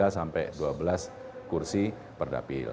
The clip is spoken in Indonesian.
dua sampai dua belas kursi perdapil